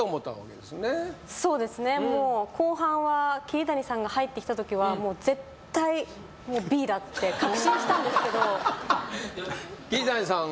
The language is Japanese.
もう後半は桐谷さんが入ってきた時は絶対Ｂだって確信したんですけど桐谷さん